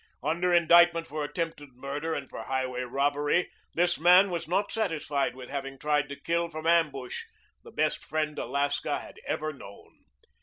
Under indictment for attempted murder and for highway robbery, this man was not satisfied with having tried to kill from ambush the best friend Alaska had ever known.